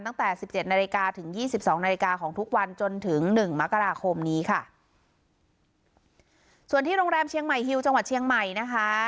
ตั้งแต่สิบเจ็ดนาฬิกาถึงยี่สิบสองนาฬิกาของทุกวันจนถึงหนึ่งมกราคมนี้ค่ะส่วนที่โรงแรมเชียงใหม่ฮิวจังหวัดเชียงใหม่นะคะ